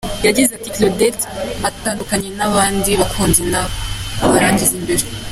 Yagize ati “Claudette atandukanye n’ abandi bakunzi naba naragize mbere.